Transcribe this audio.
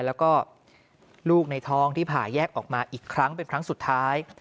แล้วก็ลูกในท้องที่ผ่าแยกออกมาอีกครั้งเป็นครั้งสุดท้าย